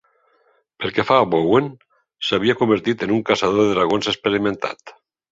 Pel que fa a Bowen, s'havia convertit en un caçador de dragons experimentat.